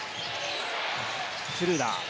シュルーダー。